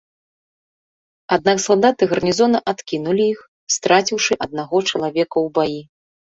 Аднак салдаты гарнізона адкінулі іх, страціўшы аднаго чалавека ў баі.